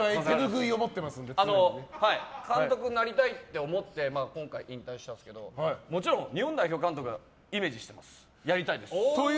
監督になりたいと思って今回引退したんですけどもちろん日本代表監督イメージしてます。